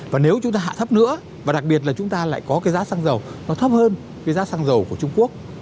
và nếu chúng ta hạ thấp nữa và đặc biệt là chúng ta lại có cái giá xăng dầu nó thấp hơn cái giá xăng dầu của trung quốc